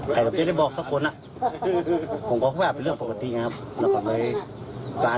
สิ่งที่ผมได้บอกอีกผมคงว่าเป็นเรื่องปกติครับ